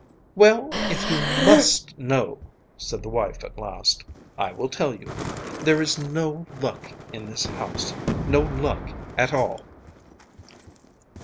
'Well, if you MUST know,' said the wife at last, 'I will tell you. There is no luck in this house no luck at all!